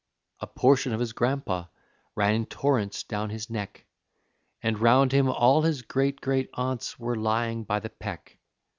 A portion of his grandpa ran in torrents down his neck, And 'round him all his great great aunts were lying by the peck.